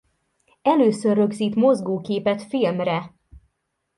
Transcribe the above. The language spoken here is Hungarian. Először rögzít mozgóképet filmre!!